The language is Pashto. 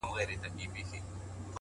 • خو اوس دي گراني دا درسونه سخت كړل،